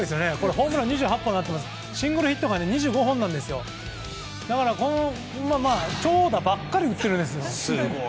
ホームラン２８本ですがシングルヒットが２５本なんですだから、長打ばかり打っているんですよ。